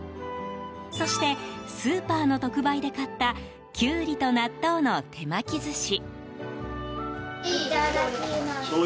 そして、スーパーの特売で買ったキュウリと納豆の手巻き寿司。